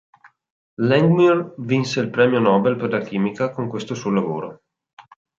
Langmuir vinse il Premio Nobel per la chimica con questo suo lavoro.